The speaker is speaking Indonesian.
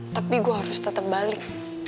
tapi gue harus tetap balik